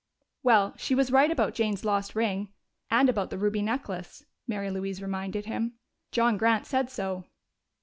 "Well, she was right about Jane's lost ring and about the ruby necklace," Mary Louise reminded him. "John Grant said so."